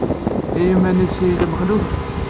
I yiman-nnes ay yella Mexluf?